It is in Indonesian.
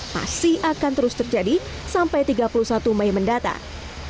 masih akan terus terjadi sampai tiga puluh satu mei mendatang